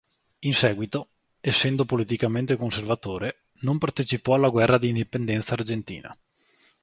In seguito, essendo politicamente conservatore, non partecipò alla guerra d'indipendenza argentina.